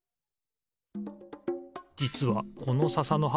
じつはこのささのはは